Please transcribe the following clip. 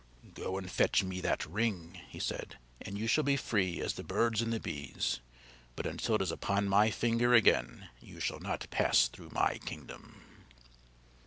"Go and fetch me that ring," he said, "and you shall be free as the birds and the bees; but until it is upon my finger again you shall not pass through my kingdom."